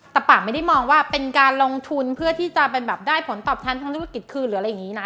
แต่ป่าไม่ได้มองว่าเป็นการลงทุนเพื่อที่จะเป็นแบบได้ผลตอบแทนทางธุรกิจคืนหรืออะไรอย่างนี้นะ